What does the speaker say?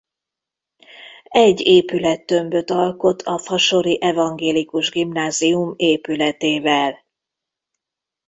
Egy épülettömböt alkot a fasori evangélikus gimnázium épületével.